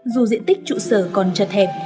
dù diện tích trụ sở còn chật hẹp